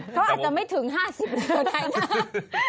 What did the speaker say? เขาอาจจะไม่ถึง๕๐ก็ได้นะ